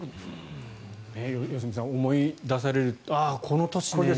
良純さん思い出されるこの年ね、２０１８年。